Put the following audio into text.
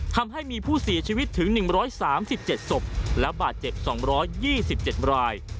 ทำให้มีผู้เสียชีวิตถึง๑๓๗ศพและบาดเจ็บ๒๒๗ราย